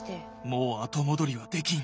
もう後戻りはできん。